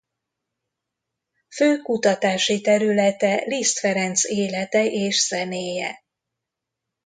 Fő kutatási területe Liszt Ferenc élete és zenéje.